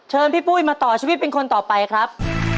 พี่ปุ้ยมาต่อชีวิตเป็นคนต่อไปครับ